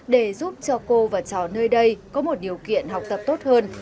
để giúp cho cô và trò nơi đây có một điều kiện học tập tốt hơn